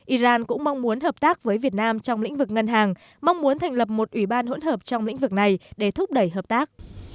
iran cũng mong muốn hợp tác với việt nam trong lĩnh vực ngân hàng mong muốn thành lập một ủy ban hỗn hợp trong lĩnh vực này để thúc đẩy hợp tác